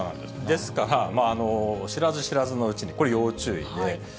ですから、知らず知らずのうちにこれ要注意で。